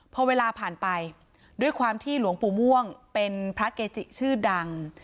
พอเวลาผ่านไปด้วยความที่หลวงปู่ม่วงเป็นพระเกจิชื่อดัง